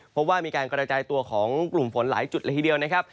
เพราะว่ามีการกระจายตัวของกลุ่มฝนหลายจุดละทีเดียวนะครับ